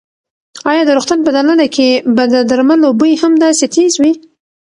ایا د روغتون په دننه کې به د درملو بوی هم داسې تېز وي؟